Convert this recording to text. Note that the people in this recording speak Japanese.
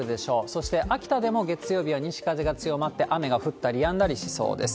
そして、秋田でも月曜日は西風が強まって、雨が降ったりやんだりしそうです。